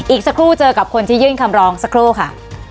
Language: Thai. อีกสักครู่เจอกับคนที่ยื่นคำร้องสักครู่ค่ะ